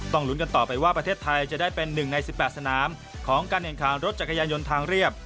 ลุ้นกันต่อไปว่าประเทศไทยจะได้เป็น๑ใน๑๘สนามของการแข่งขันรถจักรยานยนต์ทางเรียบ